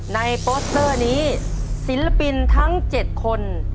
โปสเตอร์นี้ศิลปินทั้ง๗คน